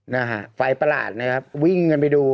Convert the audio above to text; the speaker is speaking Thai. นะฮะไฟประหลาดนะครับวิ่งกันไปดู